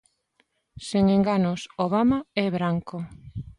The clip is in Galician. Sen enganos: Obama é branco.